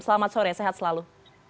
selamat sore sehat selalu